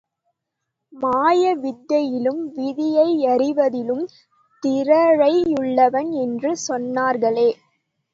மாயவித்தையிலும், விதியையறிவதிலும் திறழையுள்ளவன் என்று சொன்னர்ர்களே!